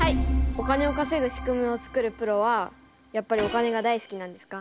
お金を稼ぐ仕組みを作るプロはやっぱりお金が大好きなんですか？